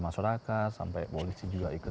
masyarakat sampai polisi juga ikut